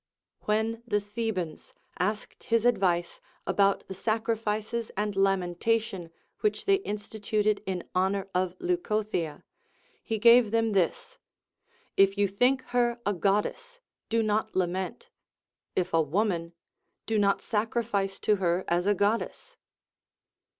When the Thebans asked his advice about the sacrifices and lamentation which they instituted in honor of Leuco thea. he gave them this : If you think her a Goddess, do not lament ; if a woman, do not sacrifice to her as a God dess.